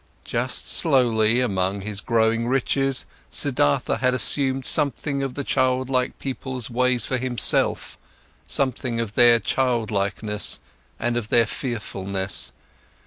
Just slowly, among his growing riches, Siddhartha had assumed something of the childlike people's ways for himself, something of their childlikeness and of their fearfulness.